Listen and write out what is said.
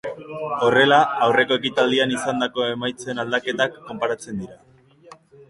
Horrela, aurreko ekitaldian izandako emaitzen aldaketak konparatzen dira.